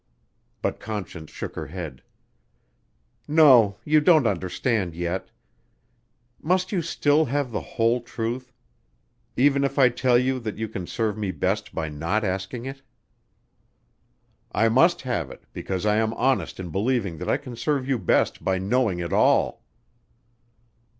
But Conscience shook her head. "No, you don't understand yet ... must you still have the whole truth ... even if I tell you that you can serve me best by not asking it?" "I must have it, because I am honest in believing that I can serve you best by knowing it all."